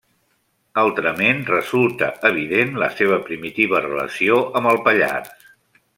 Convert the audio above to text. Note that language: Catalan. Altrament, resulta evident la seva primitiva relació amb el Pallars.